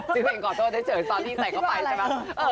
ชื่อเพลงขอโทษได้เฉยตอนที่ใส่เขาไปใช่ปะ